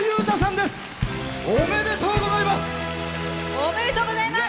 おめでとうございます！